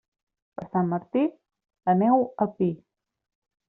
Per Sant Martí, la neu al pi.